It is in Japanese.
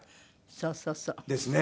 そうそうそう。ですね。